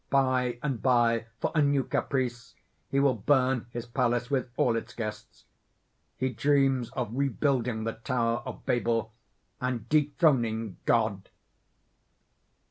By and by, for a new caprice, he will burn his palace with all its guests. He dreams of rebuilding the tower of Babel, and dethroning God.